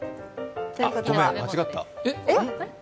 ごめん、間違った。